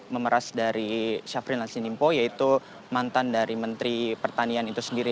memeras dari syafrin lansinimpo yaitu mantan dari menteri pertanian itu sendiri